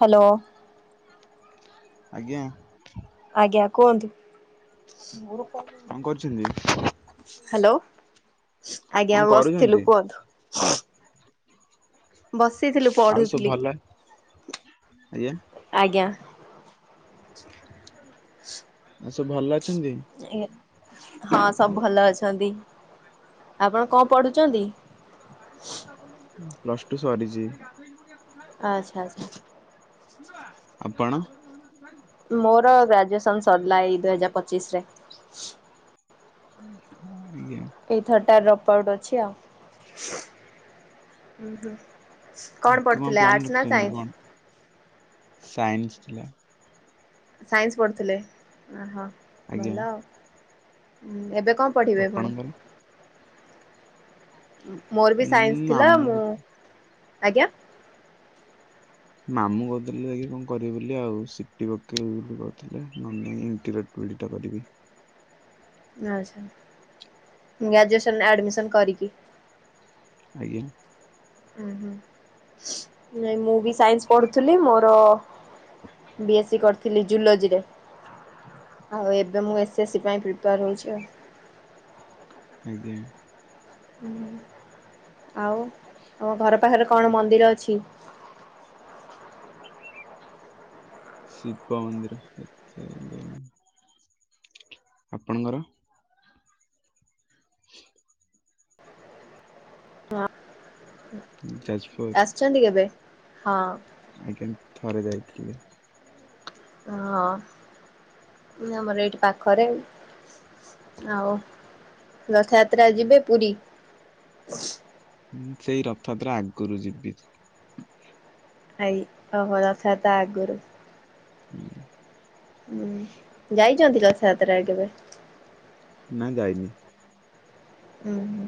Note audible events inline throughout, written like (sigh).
Hello ଆଜ୍ଞା। ଆଜ୍ଞା କୁହନ୍ତୁ? କଣ କରୁଛନ୍ତି? ହ୍ୟାଲୋ କଣ ଆଜ୍ଞା। କରୁଛନ୍ତି? ବସିଥିଲୁ କୁହନ୍ତୁ? ବସିଥିଲୁ, ଆଉ ସବୁ ପଢ଼ୁଥିଲି ଭଲ ଆଜ୍ଞା। ଆଜ୍ଞା। ଆଉ ସବ ଭଲ ଅଛି? ହଁ ସବୁ ଭଲ ଅଛନ୍ତି। ଆପଣ କଣ ପଢୁଛନ୍ତି? ପ୍ଲସ୍ ଟୁ ସରିଛି। ଆଚ୍ଛା ଆଚ୍ଛା ଆପଣ? ମୋର ଗ୍ରାଜୁଏସନ ସରିଲା, ଏଇ ଦୁଇ ହଜାର ପଚିଶ ରେ ହଁ ଆଜ୍ଞା। ଏଇଥରଟ ରପ୍ ଆଉଟ ଅଛି ଆଉ କଣ ଆଗକୁ ପଢୁଥିଲେ ପ୍ଲାନ୍ ଆର୍ଟସ ନା ରଖିଛନ୍ତି ସାଇନ୍ସ? କଣ? ସାଇନ୍ସ ଥିଲା। ସାଇନ୍ସ ପଢୁଥିଲେ, ଅହୋ, ଆଜ୍ଞା ଭଲ ଆଉ ଏବେ କଣ ପଢ଼ିବେ ପୁଣି ଆପଣଙ୍କର? ମୋର ବି ଉଁ ସାଇନ୍ସ ଥିଲା, ମାମୁଁ ମୁଁ- ଆଜ୍ଞା ମାମୁଁ କହୁଥିଲେ- ଯାଇ କଣ କରିବେ ବୋଲି ଆଉ ସିଟି ପକେଇବ ବୋଲି କହୁଥିଲେ, ନ ପୀଡ଼ିତ (unintelligible) କରିବି ଆଛା। ଗ୍ରାଜୁଏସନ ଆଡମିସନ କରିକି ଆଜ୍ଞା। ନାଇଁ ମୁଁ ବି ସାଇନ୍ସ ପଢୁଥିଲି। ମୋର ବି ଏସ୍ ସି କରିଥିଲି -ଜୁଲୋଜିରେ ଆଉ ଏବେ ମୁଁ ଏସ୍ ଏସ ସି ପାଇଁ ପ୍ରିପେୟାର ହଉଛି ଆଉ। ଆଜ୍ଞା। ଆଉ ତମ ଘର ପାଖରେ କଣ ମନ୍ଦିର ଅଛି? (unintelligible) ଶିବ ମନ୍ଦିର (unintelligible) ଆପଣଙ୍କର? ହ ଯାଜପୁର ଆସିଚନ୍ତି କେବେ ହଁ। ଆଜ୍ଞା ଥରେ ଯାଇଥିଲି। ହଁ ଆମର ଏଇଠି ପାଖରେ। ଆଉ ରଥଯାତ୍ରା ଯିବେ ପୁରୀ। ସେଇ ରଥଯାତ୍ରା ଆଗରୁ ଯିବି। ଆାଇ ଓ ହୋ ରଥଯାତ୍ରା ଆଗରୁ ହୁଁ। ହୁଁ ଯାଇଛନ୍ତି ରଥଯାତ୍ରାରେ କେବେ? ନା ଯାଇନି। ହୁଁ- ହଁ।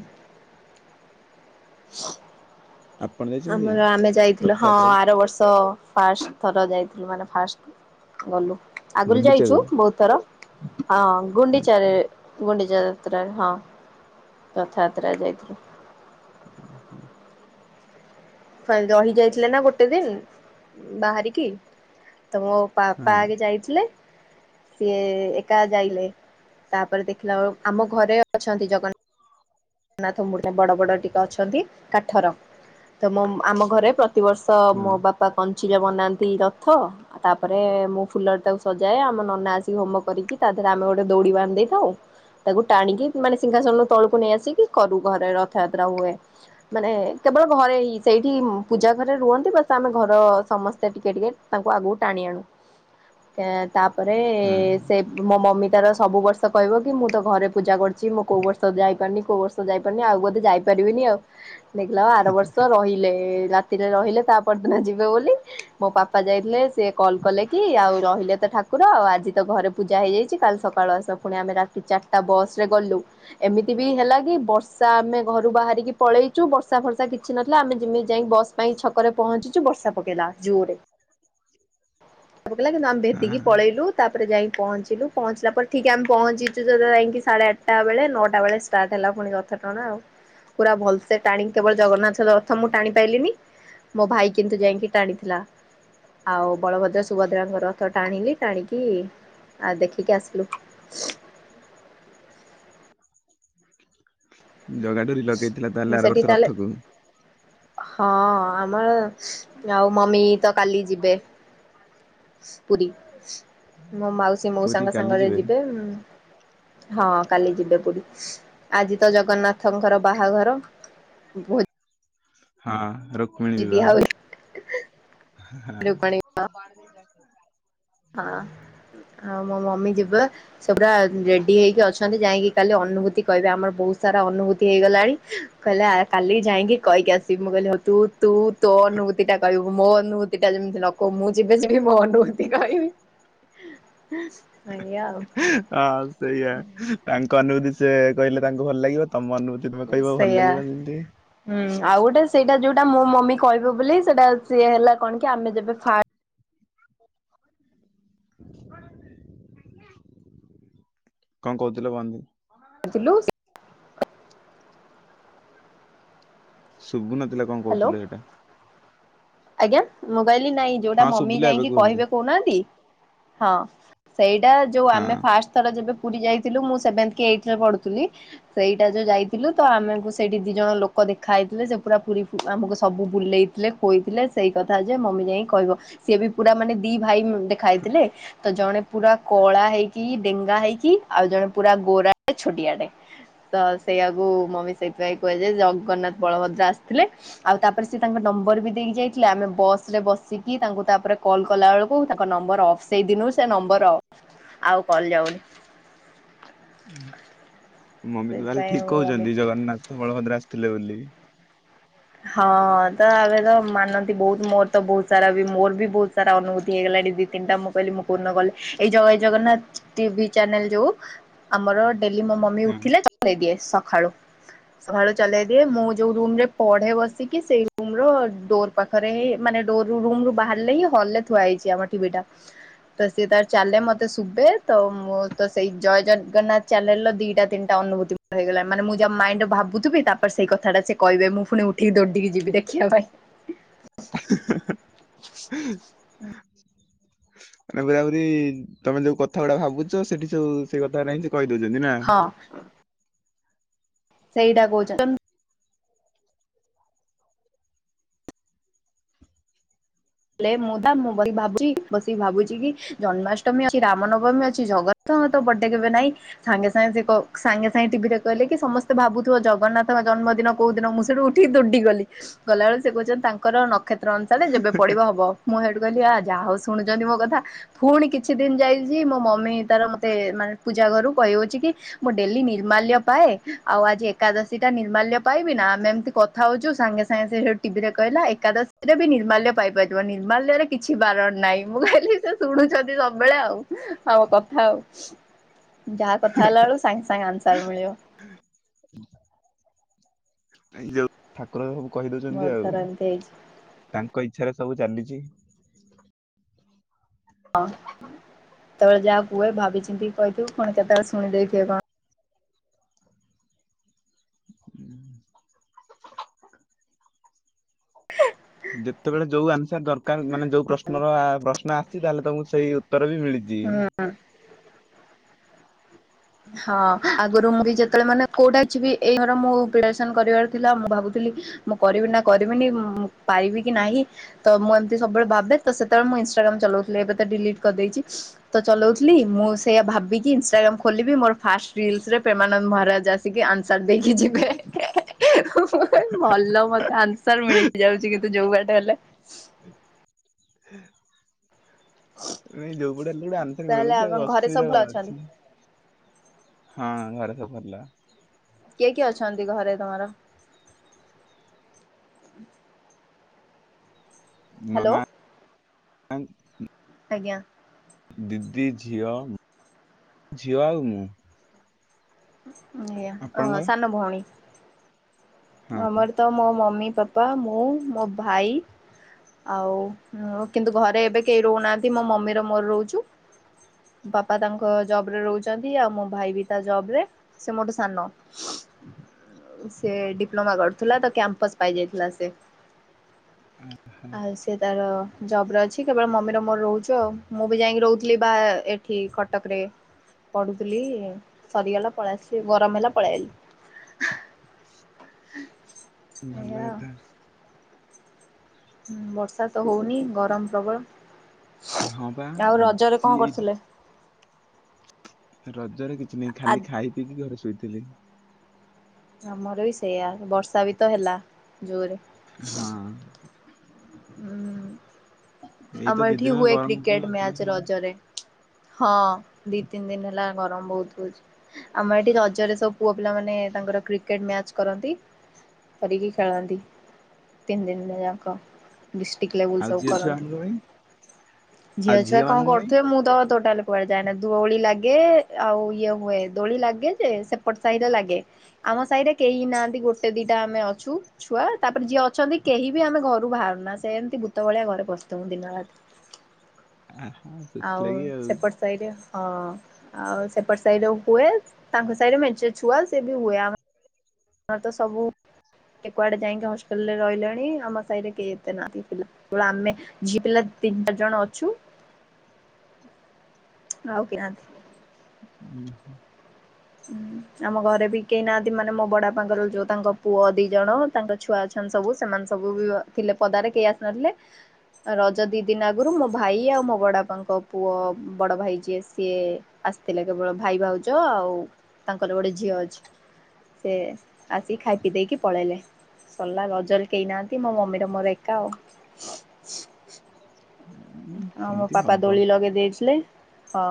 ଆପଣ ଯାଇଛନ୍ତି ଆମର ଆମେ ଯାଇଥିଲୁ ହଁ ରଥଯାତ୍ରାକୁ ଆର ବର୍ଷ ଫାଷ୍ଟ ଥର ଯାଇଥିଲୁ ମାନେ ଫାଷ୍ଟ ଗଲୁ ଆଗରୁ ଗୁଣ୍ଡିଚାକୁ? ଯାଇଛୁ ବହୁତ ଥର ହଁ ହଁ ଗୁଣ୍ଡିଚାରେ ଗୁଣ୍ଡି ଯ ଯାତ୍ରାରେ ହଁ ରଥଯାତ୍ରା ଯାଇଥିଲୁ। ରହି ଯାଇଥିଲେ ନା ଗୋଟେ ଦିନ ବାହାରିକି ତ ମୋ ବାପା ହଁ ଆଗେ ଯାଇଥିଲେ, ସିଏ ଏକା ଯାଇଲେ। ତାପରେ ଦେଖିଲା ବେଳକୁ, ଆମ ଘରେ ଅଛନ୍ତି ଜଗନ୍ନାଥ। (unintelligible) ବଡ ବଡ ଟିକେ ଅଛନ୍ତି କାଠର ତ ଆମ ଘରେ ପ୍ରତିବର୍ଷ ହଁ ମୋ ବାପା କ (unintelligible) ବନାନ୍ତି ରଥ ଆଉ ତାପରେ, ମୁଁ ଫୁଲରେ ତାକୁ ସଜାଏ ଆମ ନନା ଆସିକି ହୋମ କରିକି ତା ଫେରେ ଆମେ ଗୋଟେ ଦୌଡି ବାନ୍ଧି ଦେଇଥାଉ, ତାକୁ ଟାଣିକି ମାନେ ସିଂଘାସନ ତଳକୁ ନେଇ ଆସି କରୁ ଘରେ ରଥଯାତ୍ରା ହୁଏ ମାନେ କେବଳ ଘରେ ହିଁ ସେଇଠି ପୂଜା ଘରେ ରୁହନ୍ତି। ବ ଆମେ ଘର ସମସ୍ତେ ଟିକେ ଟିକେ ତାଙ୍କୁ ଆଗକୁ ଟାଣି ଆଣୁ। ତାପରେ ହଁ ସେ ମୋ ମମି ତାର ସବୁ ବର୍ଷ କହିବ କି ମୁଁ ତ ଘରେ ପୂଜା କରୁଛି। ମୁଁ କୋଉ ବର୍ଷ ଯାଇପାରୁନି କୋଉ ବର୍ଷ ଯାଇପାରିନି ଆଉ ବୋଧେ ଯାଇପାରିବିନି ଆଉ ଦେଖିଲା ବେଳକୁ ଆର ବର୍ଷ ରହିଲେ। ରା ରାତିରେ ରହିଲେ ତା ପରଦିନ ଯିବେ ବୋଲି ମୋ ବାପା ଯାଇଥିଲେ ସେ କଲ୍ କଲେ କି ଆଉ ରହିଲେ ତ ଠାକୁ ଠାକୁର ଆଉ ଆଜି ତ ଘରେ ପୂଜା ହେଇଯାଇଛି କାଲି ସକାଳ ଆସ ପୁଣି ଆମେ ରାତି ଚାରିଟା ବସ ରେ ଗଲୁ ଏମି ବି ହେଲା କି ବର୍ଷା ଆମେ ଘରୁ ବାହାରିକି ପଳେଇଛୁ ବର୍ଷା ଫର୍ଷା କିଛି ନଥିଲା ଆମେ ଯେମି ଯାଇ ବସ୍ ପାଇଁ ଛକରେ ପହଞ୍ଚିଚୁ, ବର୍ଷା ପକେଇଲା ଜୋରେ। (unintelligible) ଆମେ ଭେଦିକି ହଁ ପଳେଇଲୁ ତାପରେ ଯାଇ ପହଞ୍ଚିଲୁ ପହଞ୍ଚିଲା ପରେ ଠିକ ଆମେ ପହଞ୍ଚିଚୁ ତ ଯାଇକି ସାଢେ ଆଠଟା ବେଳେ ନଅଟା ବେଳେ ଷ୍ଟାର୍ଟ ହେଲା ପୁଣି ରଥ ଟଣା ଆଉ ପୁରା ଭଲସେ ଟାଣିକି କେବଳ ଜଗନ୍ନାଥ ର ରଥ ମୁଁ ଟାଣି ପାଇଲିିନି ମୋ ଭାଇ କିନ୍ତୁ ଯାଇକି ଟାଣିଥିଲା। ଆଉ ବଳଭଦ୍ର ସୁଭଦ୍ରାଙ୍କ ରଥ ଟାଣିଲି ଟାଣିକି କି ଆ ଦେଖିକି ଆସିଲୁ। ଜଗା ଡୋରି ଲଗେଇଥିଲା ତାହେଲେ ଆର ସେଠି ବର୍ଷ ତାହେଲେ ରଥକୁ। ହଁ ଆମର ଆଉ ମମି ତ କାଲି ଯିବେ। ପୁରୀ, ମୋ ମାଉସୀ ପୁରୀ ମଉସାଙ୍କ କାଲି ସାଙ୍ଗରେ ଯିବେ। ହଁ କାଲି ଯିବେ ପୁରୀ। ଆଜି ତ ଜଗନ୍ନାଥଙ୍କର ବାହାଘର ଭୋ ହଁ ରୁକ୍ମିଣୀ ବିବାହ। ଖ ରୁକ୍ମଣୀ ହଁ। ଆ ମୋ ମମି ଯିବ ସେଗୁୁରା ରେଡି ହେଇକି ଅଛନ୍ତି ଯାଇକି କାଲି ଅନୁଭୂତି କହିବେ ଆମର ବହୁତ ସାରା ଅନୁଭୂତି ହେଇଗଲାଣି କହିଲେ କାଲିି ଯାଇକି କହିକି ଆସିବି ମୁଁ କହିଲି ହଉ ତୁ ତୁ ତୋ ଅନୁଭୂତି ଟା କହିବୁ ମୋ ଅନୁଭୂତି ଟା ଯେମିତି ନ ଖାଉ ମୁଁ ଯିବି ଯିବିଭ ହୁଁ ଏଇଆ ଆଉ ହଁ ସେଇଆ ତାଙ୍କ ଅନୁଭୂତି ସେ କହିଲେ ତାଙ୍କୁ ଭଲ ଲାଗିବତ ତମ ଅନୁଭୂତିେ କହିବ ଭଲ ସେଇଆ। ଲାଗିବ ଯେମତି ହୁଁ ଆଉ ଗୋଟେ ସେଇଟା ଯୋଉଟା ମୋ ମମି କହିବେ ବୋଲି ସେଇଟା ସିଏ ହେଲା କଣ କି ଆମେ ଯେବେ ଫା କଣ କହୁଥିଲ ବାନ୍ତିୀ ଲୁ ଶୁଭୁନଥିଲେ କଣ ହ୍ୟାଲୋ କହୁଥିଲେ ସେଇଟା ଆଜ୍ଞା ମୁଁ କହିଲି ନାଇଁ ଯୋଉଟା ହଁ ମମି ଶୁଭିଲା ଏବେ ଯାଇକି କୁହନ୍ତୁ କହିବେ କହୁନାହାନ୍ତି ହଁ ସେଇଟା ଯେଉଁ ହଁ। ଆମେ ଫାଷ୍ଟ ଥର ଯେବେ ଯାଇଥିଲୁ ମୁଁ ସେଭେନ୍ଥ କି ଏଇଥ ରେ ପଢୁଥିଲି ସେଇଟା ଯଉ ଯାଇଥିଲୁ ତ ଆମ ସେଇଠି ଦି ଜଣ ଲୋକ ଦେଖା ହେଇଥିଲେ ସେ ପୁରା ପୁରୀ ଆମକୁ ସବୁ ବୁଲେଇଥିଲେ ଖୋଇଥିଲେ ଥିଲେ ସେଇ କଥା ଯେ ମମି ଯାଇ କହିବ ସିଏ ବି ପୁରା ମାନେ ଦି ଭାଇ ଦେ ଖାଇଥିଲେ ତ ଜଣେ ପୁରା କଳା ହେଇକି ଡେଙ୍ଗା ହେଇକି ଆଉ ଜଣେ ପୁରା ଗୋରାେ ଛୋଟିଆଟେ ତ ସେଇଆକୁ ମମି ସେଇଥିପାଇଁ କୁହଜାୟେ ଜଗନ୍ନାଥ ବଳଭଦ୍ରା ଆସିଥିଲେ ଆଉ ତାପରେ ସେ ତାଙ୍କ ନମ୍ ନମ୍ବରବି ଦେଇ ଯାଇଥିଲେ ଆମେ ବସ ରେ ବସିକି ତାଙ୍କୁ ତାପରେ କଲ୍ କଲାବେେଳକୁ ତାଙ୍କ ନମ୍ବର ଅଫ୍ ସେଇଦିନୁ ସେ ନମ୍ବର ଅଫ ହ ଆଉ କଲ ଯାଉନି ମମି ତାହାହେଲେ ସେଥିପାଇଁ ଠିକ ମୋ ମମି କହୁଛନ୍ତି ଜଗନ୍ନାଥ ବଳଭଦ୍ରା ଥିଲେ ବୋଲିକି ହଁ ତ ଏବେ ତ ମାନନ୍ତି ବହୁତ ମୋର ତ ବହୁତ ସାରା ବି ମୋର ବି ବହୁତ ସାରା ଅନୁଭୂତି ହେଇଗଲା ଦି ତିନିଟା ମୁଁ କହିଲି ମୁଁ ପୂର୍ଣ୍ଣ କଲେ ଏଇ ଜଗ ଜଗନ୍ନାଥ ଟିଭି ଚ୍ୟାନେଲ ଯୋଉ ଆମର ଡାଲି ମୋ ମମି ହଁ। ଉଥେଲେ ଚଳେଇଦିଏ ସକାଳେ ମୁଁ ଯୋଉ ରୁମ୍ ରେ ପଢେ ବସିକି ସେଇ ରୁମରୁ ଡୋର ପାଖରେ ହେ ମାନେ ଡୋର ରୁମ ରୁ ବାହାରିଲେ ହିଁ ହଲ ରେ ଥୁଆ ହେଇଛି ଆମ ଟିଭିାଟା ତ ସେତାର ଚାଲେ ମତେ ଶୁଭେ ତ ମୁଁ ତ ସେଇ ଜୟ ଜଗନ୍ନାଥ ଚାଲେ ଦିଟା ତିନିଟା ଅନୁଭ ହେଇଗଲା ମାନେ ମୁଁ ଯା ମାଇଣ୍ଡ ରେ ଭାବୁଥିବି ତାପରେ ସେଇ କଥାଟା ସେ କହିବେ ମୁ ପୁଣି ଉଠିକି ଦୌଡିକି ଯିବି ଦେଖିବା ପାଇଁ ମାନେ ବୁୁରବୁଲି ତମେ ଯୋଉ କଥା ଗୁଡା ଭାବୁଛ ସେଠି ସବୁ ସେ କଥା ନାହିଁ କହିଦଉଛନ୍ତି ନା ହଁ ସେଇଟା କହୁଛନ୍ତି ହେଲେ ମୁଁ ଦ ମୁଁ ବ ଭାବୁଛି ବସିକି ଭାବୁଛି କି ଜନ୍ମାଷ୍ଟମୀ ଅଛି ରାମ ନବମୀ ଅଛି ଜଗନ୍ନା ତ ବଡେ କେବେ ନାଇଁ ସାଙ୍ଗେ ସାଙ୍ଗେ ସେ ସାଙ୍ଗେ ସାଙ୍ଗେ ଟିଭିରେ କହିଲେ କି ସମସ୍ତେ ଭାବୁଥିବ ଜଗନ୍ନାଥଙ୍କ ଜନ୍ମଦିନ କୋଉ ଦିନ ମୁଁ ସେଠୁ ଉଠିକି ଦୋଡି ଗଲି ଗଲାବେଳେ ସେ କହୁଛନ୍ତି ତାଙ୍କର କ୍ଷେତ୍ର ଅନୁସାରେ ଯେବେ ପଡିବ ହବ ମୁଁ ଯାହା ହଉ ଶୁଣୁଛନ୍ତି ମୋ କଥା ପୁଣି କିଛି ଦିନ ଯାଇଛି ମୋ ମମି ତାର ମତେ ମାନେ ଓଜା ଘରୁ ହଉଛି କି ମୁଁ ଡେଲି ନିର୍ମାଲ୍ୟ ପାଏ ଆଉ ଆଜି ଏକାଦଶୀ ଟା ନିର୍ମାଲ୍ୟ ପାଇବି ନା ଆମେ ଏମିତି କଥା ହଉଛୁ ସାଙ୍ଗେ ସାଙ୍ଗେ ସେ ଟିଭିରେ କହିଲା ଏକାଦଶୀରେ ବି ନିର୍ମାଲ୍ୟ ପାଇପାରିବ ନିର୍ମାଲ୍ୟରେ କିଛି ବାରଣ ନାାଇଁ ମୁଁ କହିଲି ସେ ଶୁଣୁଛନ୍ତି ସବୁବେଳେ ଆଉ ଆଉ କଥା ଯାହା କଥା ହେଲା ବେଳକୁ ସାଙ୍ଗେ ସାଙ୍ଗେ ଆନ୍ସର ମିଳିବ ଏଇ ଯୋଉ ଠାକୁର ସବୁ କହି ଦଉଛନ୍ତି ବହୁତ ଆଉ ଥର ଏମିତି ହେଇଛି। ତାଙ୍କ ଇଚ୍ଛାରେ ସବୁ ଚାଲିଛି ହଁ କେତେବେଳେ ଯାହାକୁ ହୁହେ ଭାବି ଚିନ୍ତି କହିଥିବୁ କଣ କେତେବେଳେ ଶୁଣି ଦେଇେଇଥିବେ କଣ ଯେତେବେଳେ ଯୋଉ ଆନ୍ସର ଦରକାର ମାନେ ଯୋଉ ପ୍ରଶ୍ନର ପ୍ରଶ୍ନ ଆସିଛି ତାହେଲେ ତମକୁ ସେଇ ଉତ୍ତର ବି ମିଳିଛି ହୁଁ ହଁ ଆଗରୁ ମୁଁ ବି ଯେତେବେଳେ ମାନେ କୋଉଟା ଅଛିିବି ଏଇ ଘର ମୁ ପ୍ରସନ କରିବାର ଥିଲା ମୁଁ ଭାବୁଥିଲି ମୁଁ କରିବି ନା କରିବିନିଁ ପାରିବି କି ନାହିଁ ତ ମୁଁ ଏମିତି ସବୁବେଳେ ଭାବେ ତ ସେତେବେଳେ ମୁଁ ବେ ିଲଟ କରି ଚଉଥିଲ ମୁଁ ସେଇା ଭିକି ଇ ଖ ମୋର ଫାଷ୍ଟ ରିଲସରେ ପ୍ରେମାନନ୍ଦ ମହାରାଜ ଆସିକି ଆନ୍ସର ଦେଇକି ଯିବେ ଭଲ ମତେ ଆନ୍ସର ମିଳି ଯାଉଛି କିନ୍ତୁ ଯୋଉ କଟ ହେଲେ ନ ଯୋଉ ପଡା ହେଲେ ଗୋଟେ ଆନ୍ଥରେ ତାହେଲେ ମିଳୁଛି ଆପଣ ଆଉ ଘରେ ଅସୁବିଧା ସବୁ ଭଲ କଣ ଅଛନ୍ତି ଅଛି ହଁ ଘର ସ ଭରିଲ କିଏ କିଏ ଅଛନ୍ତି ଘରେ ତମର ମାମ ହ୍ୟାଲୋ। ଆଜ୍ଞା ଦିଦି ଝିଅ ଦ ଝିଅ ଆଉ ମୁଁ ଆ ଓ ଆପଣଙ୍କର? ସାନୁ ବୁହଣ ହଁ ଆମର ତ ମୋ ମମି ପପା ମୁଁ ମୋ ଭାଇ ଆଉ କିନ୍ତୁ ଘରେ ଏବେ କେହି ରହୁନାହାନ୍ତି ମୋ ମମିର ମୋର ରହୁଛୁ ବାପା ତାଙ୍କ ଜବ ରେ ରହୁଛନ୍ତି ଆଉ ମୋ ଭାଇ ବି ତା ଜବ ରେ ସେ ମୋଟେ ସାନ ହ ସେ ଡିପ୍ଲୋମା କରୁଥିଲା ତ କ୍ୟାମ୍ପସ ପାଇ ଯାଇଥିଲା ସେ ଆଉ ସେି ତାର ଜବ ର ଅଛି କେବଳ ମମି ମୋର ରହୁଛ ଆଉ ମୁଁ ବି ଯାଇକି ରହୁଥିଲି ବା ଏଠି କଟକରେ ପଢୁଥିଲି ସରିଗଲା ପଳେଇ ଗରମ ହେଲା ପଳେଇଲି ଭଲ ଲ କଥା ହୁଁ ବର୍ଷା ତ ହଉନି ଗରମ ପ୍ରବଳ ହଁ ବା ଆଉ ରଜରେ କଣ ଆଜି ଏଇ କରୁଥିଲେ? ରଜରେ କିଛି ନାହିଁ ଖାଲି ଖାଇ ପିଇକି ଘରେ ଶୋଇଥିଲି ଆମର ବି ସେଇୟଆ ବର୍ଷା ବି ତ ହେଲା ଜୁରେ ହଁ ହଁ ଏଇ ତ ଦି ଆମରଠି ଦିନ ହେଲା ହୁଏ ଗରମ ପୁଣି କ୍ରିକେଟ ଅଧିକ ମ୍ୟାଚ ହେଲାଣି। ରଜରେ ହଁ ଦି ତିନି ଦିନ ହେଲା ଗରମ ବହୁତ ହଉଛି ଆମର ଏଠି ରଜରେ ସବୁ ପୁଅ ପିଲା ମାନେ ତାଙ୍କର କ୍ରିକେଟ ମ୍ୟାଚ କରନ୍ତି କରିକି ଖେଳନ୍ତି ତିନି ଦିନ ଯାକ ଡିଷ୍ଟ୍ରିକ୍ଟ ଲେବୁଲ ଆଉ ସବ ଝିଅ କରନ୍ତି ଛୁଆମାନଙ୍କ ପାଇଁ ଆଉ ଝିଅଛୁଆ ଝିଅ କଣ ମାନଙ୍କ ପାଇଁ କରୁଥିବେ ମୁଁ ତ ଟୋଟାଲ କୁଆଡେ ଯାଏନା ଦୋଳି ଲାଗେ ଆଉ ଇଏ ହୁଏ ଦୋଳି ଲାଗେ ଯେ ସେପଟ ସାହିରେ ଲାଗେ ଆମ ସାହିରେ କେହି ନାହାନ୍ତି ଗୋଟେ ଦିଟା ଆମେ ଅଛୁ ଛୁଆ ତାପରେ ଯିଏ ଅଛନ୍ତି କେହି ବି ଆମେ ଘରକୁ ବାହାରୁନା ସେ ଏମିତି ଭୂତ ଭଳିଆ ଘରେ ପସିଥଉ ଦିନରାାତ ଆହା ଆଉ ସେଥିଲାଗି ସେପଟ ସାଇରେ ହଁ ଆଉ ସେପଟ ସାଇଡ ହୁଏ ତାଙ୍କ ସାଇଡ ମ ଛୁଆ ସେ ବି ହୁଏ ଆମ ଆର ତ ସବୁ କୁଆଡେ ଯାଇକି ହସ୍ପିଟାଲରେ ରହିଲେଣି ଆମ ସାହିରେ କେହି ଏତେ ନାନ୍ତିା ଆମେ ି ପିଲା ତିନି ଚାରି ଜଣ ଅଛୁ (inaudible) ଆଉକନ୍ତି ହୁଁ ହ ଆମ ଘରେ ବି କେହି ନାହାନ୍ତି ମାନେ ମୋ ବଡା ପାଙ୍କର ଯୋଉ ତାଙ୍କ ପୁଅ ଦି ଜଣ ତାଙ୍କ ଛୁଆ ଛ ସବୁ ସେମାନେ ସବୁ ବି ଥିଲେ ପଦାରେ କେହି ଆସିନଥିଲେ ରଜ ଦି ଦିନ ଆଗରୁ ମୋ ଭାଇ ଆଉ ମୋ ବଡ ବାପାଙ୍କ ପୁଅ ବଡ ଭାଇ ଯିଏ ସିଏ ଆସିଥିଲେ କେବଳ ଭାଇ ଭାଉଜ ଆଉ ତାଙ୍କର ଗୋଟେ ଝିଅ ଅଛି ସେ ଆସିିକି ଖାଇ ପିଇ ଦେଇକି ପଳେଇଲେ ସରିଲା ଲଜଲ କେହି ନାହାନ୍ତି ମୋ ମମିର ମୋର ଏକା ଆଉ ହ ଆ ମୋ ପାପା ଦୋଳି ଲଗେଇ ଦେଇଥିଲେ ହଁ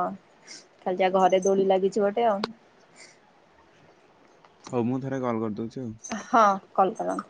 ଖାଲି ଯ ଘରେ ଦୋଳି ଲାଗିଛି ଗୋଟେ ଆଉ ହଉ ମୁଁ ଥରେ କଲ୍ କରିଦଉଛି ଆଉ। ହଁ କଲ କରାମ